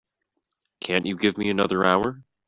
Can't you give me another hour?